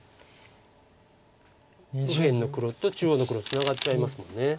右辺の黒と中央の黒ツナがっちゃいますもんね。